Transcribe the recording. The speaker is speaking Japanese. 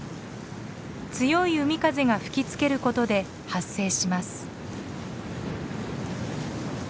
強い海風が吹きつけることで発生します。